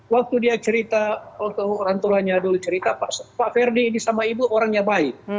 waktu dia cerita waktu orang tuanya dulu cerita pak ferdisambo ibu orangnya baik